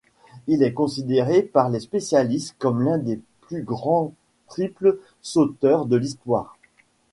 Il est considéré par les spécialistes comme l'un des plus grands triple-sauteurs de l'histoire.